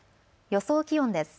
予想気温です。